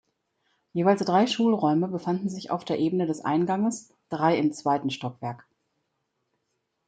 Jeweils drei Schulräume befanden sich auf der Ebene des Einganges, drei im zweiten Stockwerk.